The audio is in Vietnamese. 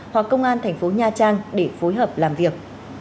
hoặc công an thành phố nha trang để phối hợp làm việc